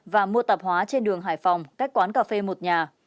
và mua tạp hóa trên đường hải phòng cách quán cà phê một nhà